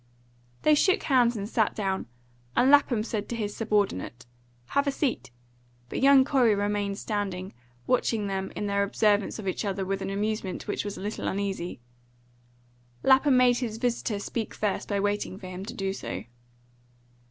They shook hands and sat down, and Lapham said to his subordinate, "Have a seat;" but young Corey remained standing, watching them in their observance of each other with an amusement which was a little uneasy. Lapham made his visitor speak first by waiting for him to do so.